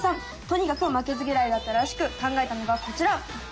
とにかく負けず嫌いだったらしく考えたのがこちら！